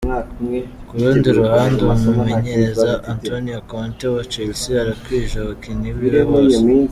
Ku rundi ruhande umumenyereza Antonio Conte wa Chelsea arakwije abakinyi biwe bose.